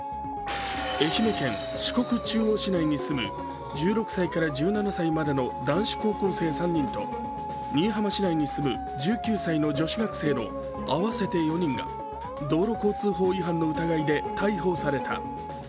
愛媛県四国中央市内に住む１６歳から１７歳までの男子高校生３人と新居浜市内に住む１９歳の女子学生の合わせて４人が道路交通法違反の疑いで逮捕された。